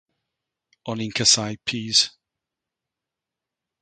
O'n i'n casau pys